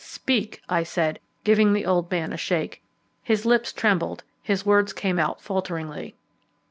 "Speak," I said, giving the old man a shake. His lips trembled, his words came out falteringly.